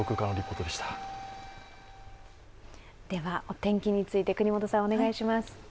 お天気について國本さんお願いします。